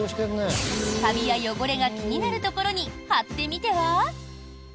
カビや汚れが気になるところに貼ってみては？